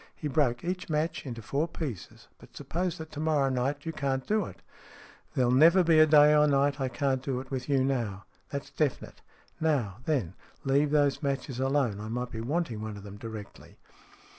He broke each match into four pieces. " But suppose that to morrow night you can't do it ?"" There'll never be a day or night I can't do it with you now. That's definite. Now, then, leave those matches alone. I might be wanting one of them directly."